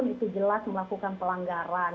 itu jelas melakukan pelanggaran